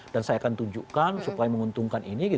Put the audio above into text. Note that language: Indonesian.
saya akan tunjukkan supaya menguntungkan ini